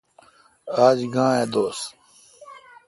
آج گاں اؘ دوس۔